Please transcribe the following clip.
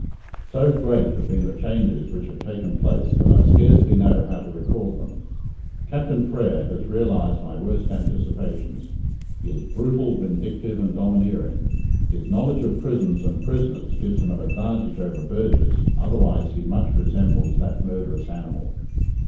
So great have been the changes which have taken place that I scarcely know how to record them. Captain Frere has realized my worst anticipations. He is brutal, vindictive, and domineering. His knowledge of prisons and prisoners gives him an advantage over Burgess, otherwise he much resembles that murderous animal.